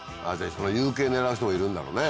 その夕景狙う人いるんだろうね。